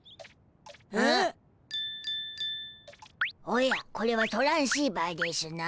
おやこれはトランシーバーでしゅな。